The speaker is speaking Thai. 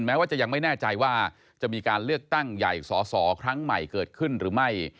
แม้ว่าจะยังไม่แน่ใจว่าจะมีการเลือกตั้งใหญ่สอสอครั้งใหม่เกิดขึ้นหรือไม่